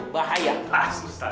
bahaya tas ustadz itu yaa